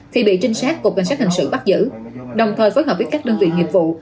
thì bị trinh sát cục cảnh sát hình sự bắt giữ đồng thời phối hợp với các đơn vị nghiệp vụ